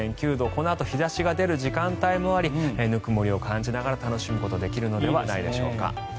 このあと日差しが出る時間帯もありぬくもりを感じながら楽しむことができるのではないでしょうか。